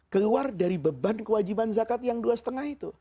keluar dari beban kewajiban zakat yang dua lima itu